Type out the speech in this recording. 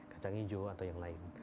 kacang hijau atau yang lain